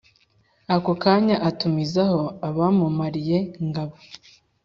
akokanya atumizaho abamumariye ngabo